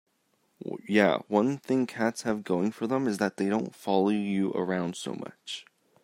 Yeah, one thing cats have going for them is that they don't follow you around so much.